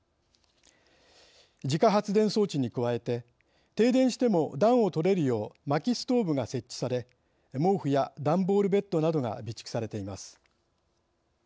自家発電装置に加えて停電しても暖をとれるようまきストーブが設置され毛布や段ボールベッドなどが備蓄されています。